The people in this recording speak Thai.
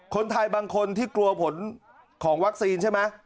คนไทยบางคนที่กลัวผลของวัคซีนใช่ไหม